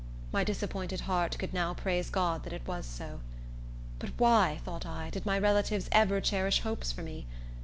My disappointed heart could now praise God that it was so. But why, thought I, did my relatives ever cherish hopes for me?